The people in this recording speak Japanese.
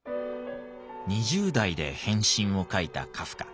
２０代で「変身」を書いたカフカ。